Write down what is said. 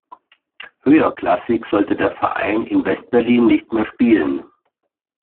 Höherklassig sollte der Verein in West-Berlin nicht mehr spielen.